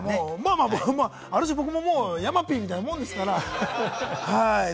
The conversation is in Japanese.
ある種、僕も山Ｐみたいなもんですから。